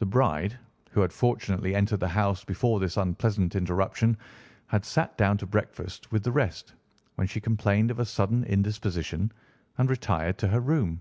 The bride, who had fortunately entered the house before this unpleasant interruption, had sat down to breakfast with the rest, when she complained of a sudden indisposition and retired to her room.